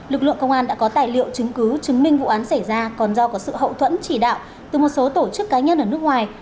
lực lượng công an đã có tài liệu chứng cứ chứng minh vụ án xảy ra còn do có sự hậu thuẫn chỉ đạo từ một số tổ chức cá nhân ở nước ngoài